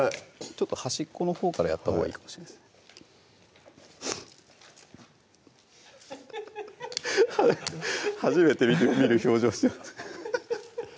ちょっと端っこのほうからやったほうがいいかもしれません初めて見る表情ですね